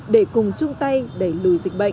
để cùng chung tay đẩy lùi dịch bệnh